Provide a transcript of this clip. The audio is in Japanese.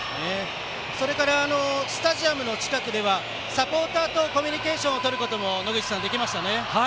それからスタジアムの近くではサポーターとコミュニケーションをとることも野口さん、できましたね。